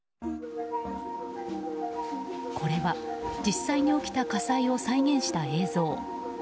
これは実際に起きた火災を再現した映像。